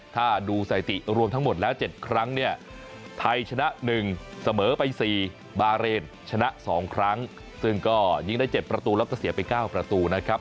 ถ้าดูสถิติรวมทั้งหมดแล้ว๗ครั้งเนี่ยไทยชนะ๑เสมอไป๔บาเรนชนะ๒ครั้งซึ่งก็ยิงได้๗ประตูแล้วก็เสียไป๙ประตูนะครับ